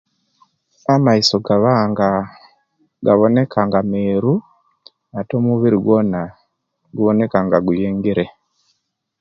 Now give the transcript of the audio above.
Amaiso gabanga gaboneka nga meeru ate omubiri gwona guwoneka nga guyengere